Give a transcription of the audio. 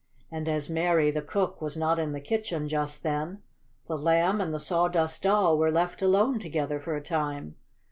And as Mary, the cook, was not in the kitchen just then, the Lamb and the Sawdust Doll were left alone together for a time.